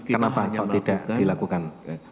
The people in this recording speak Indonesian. kenapa tidak dilakukan